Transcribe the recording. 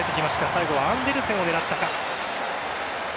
最後はアンデルセンを狙ったか。